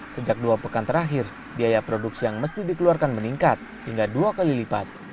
sejak dua pekan terakhir biaya produksi yang mesti dikeluarkan meningkat hingga dua kali lipat